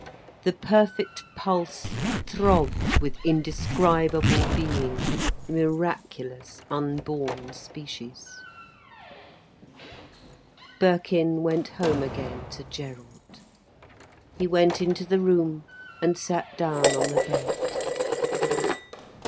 The perfect pulse throbbed with indescribable being, miraculous unborn species. Birkin went home again to Gerald. He went into the room, and sat down on the bed.